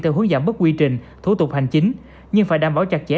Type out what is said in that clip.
theo hướng giảm bớt quy trình thủ tục hành chính nhưng phải đảm bảo chặt chẽ